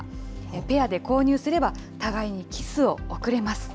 ペアで購入すれば、互いにキスを送れます。